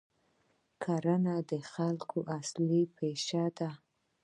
کرنه د خلکو اصلي پیشه ده.